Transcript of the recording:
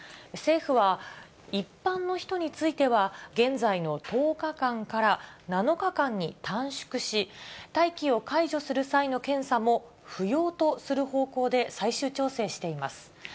政府は一般の人については、現在の１０日間から７日間に短縮し、待機を解除する際の検査も不要とする方向で最終調整しています。